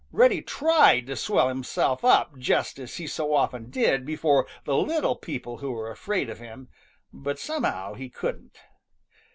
Reddy tried to swell himself up just as he so often did before the little people who were afraid of him, but somehow he couldn't.